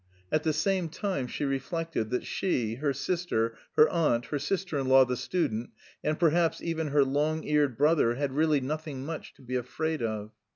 At the same time she reflected that she, her sister, her aunt, her sister in law the student, and perhaps even her long eared brother had really nothing much to be afraid of.